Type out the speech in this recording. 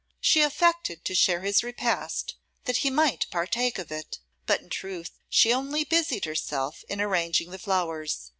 She affected to share his repast, that he might partake of it; but, in truth, she only busied herself in arranging the flowers.